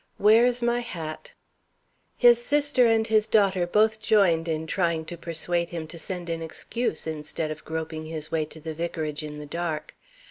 Where is my hat?" His sister and his daughter both joined in trying to persuade him to send an excuse instead of groping his way to the vicarage in the dark.